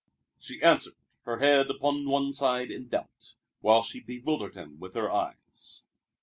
she answered, her head upon one side in doubt, while she bewildered him with her eyes.